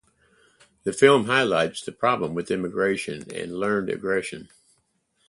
The film highlights the problems with immigration and learned aggression.